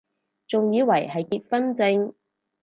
仲以為係結婚証